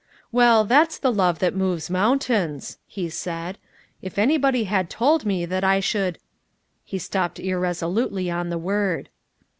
"Well, that's the love that moves mountains," he said. "If anybody had told me that I should...." He stopped irresolutely on the word.